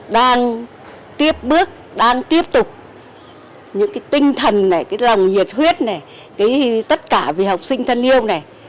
đang tiếp bước đang tiếp tục những cái tinh thần này cái lòng nhiệt huyết này cái tất cả vì học sinh thân yêu này